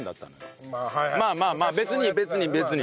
まあまあまあ別に別に別に。